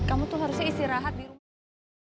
kamu tuh harusnya istirahat di rumah